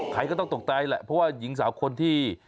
ใครก็ต้องตกใจแหละเพราะว่าหญิงสาวคนที่